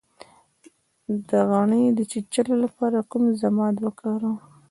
د غڼې د چیچلو لپاره کوم ضماد وکاروم؟